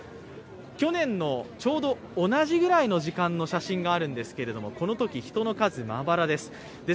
去年のちょうど同じぐらいの時間の写真があるんですがこのとき、人の数、まばらです。